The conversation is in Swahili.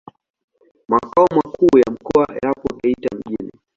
Makao makuu ya mkoa yapo Geita mjini.